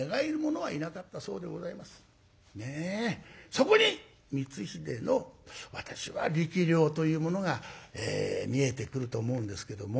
そこに光秀の私は力量というものが見えてくると思うんですけども。